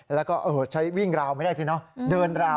แล้วก็ใช้วิ่งราวไม่ได้สิเนอะเดินราว